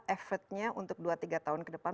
efeknya untuk dua tiga tahun ke depan